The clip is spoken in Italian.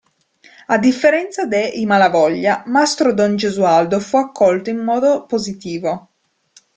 A differenza de "I Malavoglia", "Mastro-don Gesualdo" fu accolto in modo positivo.